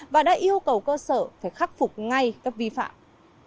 và đã yêu cầu cơ sở phải khắc phục ngay các vi phạm